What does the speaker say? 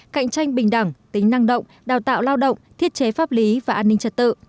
cạnh tranh bình đẳng tính năng động đào tạo lao động thiết chế pháp lý và an ninh trật tự